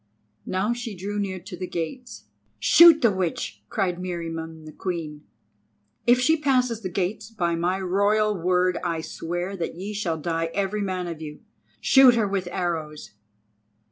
Now she drew near to the gates— "Shoot the witch!" cried Meriamun the Queen; "if she pass the gates, by my royal word I swear that ye shall die every man of you. Shoot her with arrows."